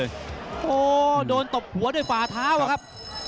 โอ้โหโดนตบหัวด้วยฝ่าเท้าอะครับ